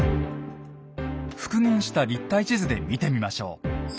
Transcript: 復元した立体地図で見てみましょう。